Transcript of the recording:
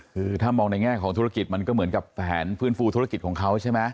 คือถ้ามองในแง่ของธุรกิจมันก็เหมือนกับแผนฟื้นฟูธุรกิจของเขาใช่ไหม